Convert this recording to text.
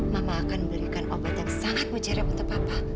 mama akan belikan obat yang sangat mujarep untuk papa